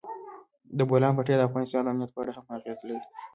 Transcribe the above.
د بولان پټي د افغانستان د امنیت په اړه هم اغېز لري.